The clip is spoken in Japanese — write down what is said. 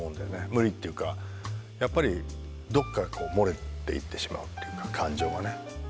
無理っていうかやっぱりどこかこう漏れていってしまうっていうか感情がね。